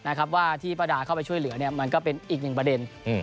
ว่าที่ป้าดาเข้าไปช่วยเหลือเนี่ยมันก็เป็นอีกหนึ่งประเด็น